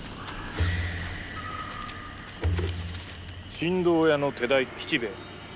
「新堂屋の手代吉兵衛」。